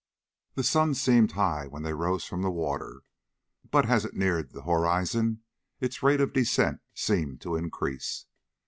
The sun seemed high when they rose from the water, but as it neared the horizon its rate of descent seemed to increase.